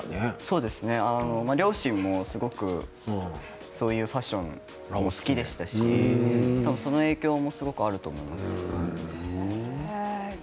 両親もすごくそういうファッションがすごく好きでしたしその影響もあると思います。